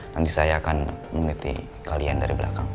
nanti saya akan meniti kalian dari belakang